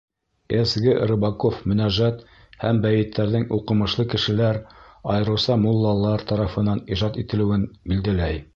С. Г. Рыбаков мөнәжәт һәм бәйеттәрҙең уҡымышлы кешеләр, айырыуса муллалар, тарафынан ижад ителеүен билдәләй.